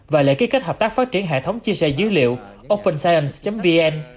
và lệ ký kết hợp tác phát triển hệ thống chia sẻ dữ liệu openscience vn